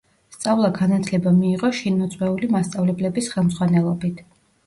სწავლა-განათლება მიიღო შინ მოწვეული მასწავლებლების ხელმძღვანელობით.